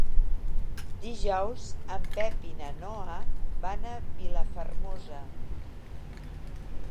Dijous en Pep i na Noa van a Vilafermosa.